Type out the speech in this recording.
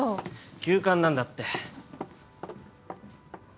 急患なんだって。